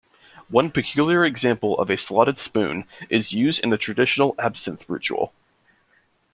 One peculiar example of a slotted spoon is used in the traditional absinthe ritual.